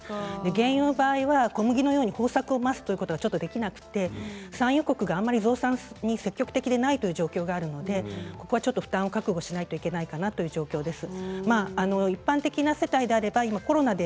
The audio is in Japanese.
原油の場合は小麦のように豊作を待つということができなくて産油国があまり増産に積極的でない状況があるのでここは負担は覚悟しなければいけないかなという状況です。